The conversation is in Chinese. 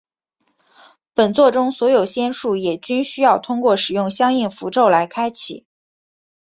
本作中所有仙术也均需要通过使用相应符咒来开启。